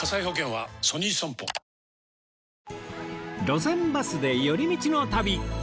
『路線バスで寄り道の旅』